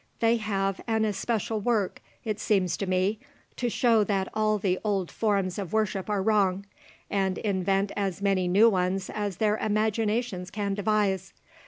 They have an especial work, it seems to me, to show that all the old forms of worship are wrong, and invent as many new ones as their imaginations can devise.